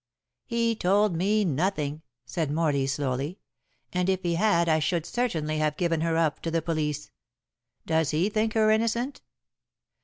"He told me nothing," said Morley slowly, "and if he had I should certainly have given her up to the police. Does he think her innocent?"